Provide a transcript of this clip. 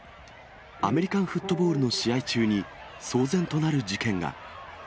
アメリカンフットボールの試合中に、騒然となる事件が。